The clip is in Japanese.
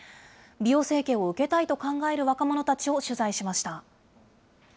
美容整形を受けたいと考える若者たちを取材しました。